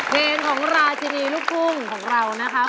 เพลงของราชดีลูกภูมิของเรานะคะ